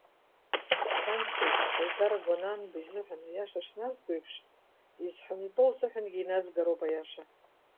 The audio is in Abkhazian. Саншьа иҿы Ҳаидар Гәананба изыҳәан аиаша шназго еиԥш, изҳәан итәоу лзыҳәангьы иназгароуп аиаша.